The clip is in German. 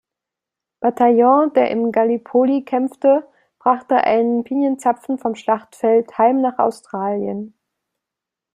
Bataillon, der in Gallipoli kämpfte, brachte einen Pinienzapfen vom Schlachtfeld heim nach Australien.